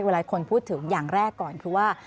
เวลาคนพูดถึงอย่างแรกก่อนคือว่า